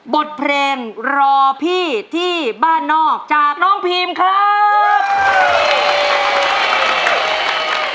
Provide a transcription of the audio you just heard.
บทเพลงรอพี่ที่บ้านนอกจากน้องพีมครับ